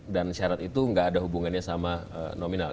dan syarat itu nggak ada hubungannya sama nominal